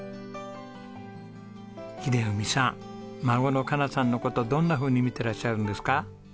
英文さん孫の加奈さんの事をどんなふうに見てらっしゃるんですか？